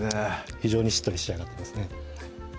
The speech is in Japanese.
非常にしっとり仕上がってますね